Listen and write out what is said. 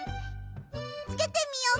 つけてみよっか！